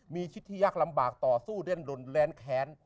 มีชิดที่ยากลำบากต่อสู้เด้นรุนแรงแค้น